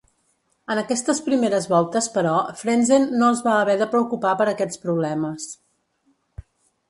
En aquestes primeres voltes, però, Frentzen no es va haver de preocupar per aquests problemes.